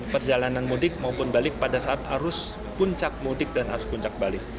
perjalanan mudik maupun balik pada saat arus puncak mudik dan arus puncak balik